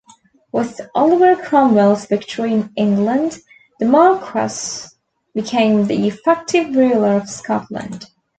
With Oliver Cromwell's victory in England, the marquess became the effective ruler of Scotland.